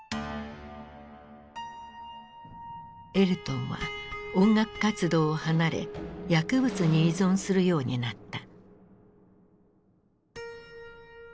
エルトンは音楽活動を離れ薬物に依存するようになった。